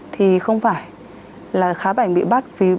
thì không phải là khá bảnh bị bắt